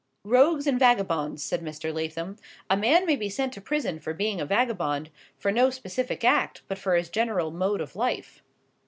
"Rogues and vagabonds," said Mr. Lathom. "A man may be sent to prison for being a vagabond; for no specific act, but for his general mode of life."